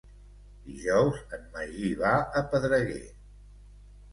Dijous en Magí va a Pedreguer.